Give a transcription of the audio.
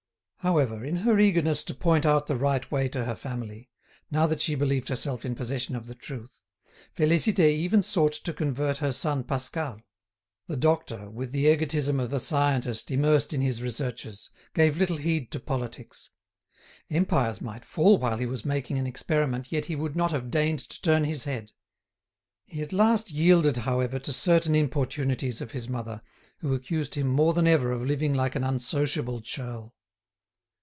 However, in her eagerness to point out the right way to her family, now that she believed herself in possession of the truth, Félicité even sought to convert her son Pascal. The doctor, with the egotism of a scientist immersed in his researches, gave little heed to politics. Empires might fall while he was making an experiment, yet he would not have deigned to turn his head. He at last yielded, however, to certain importunities of his mother, who accused him more than ever of living like an unsociable churl.